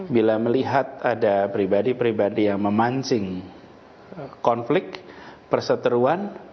bila melihat ada pribadi pribadi yang memancing konflik perseteruan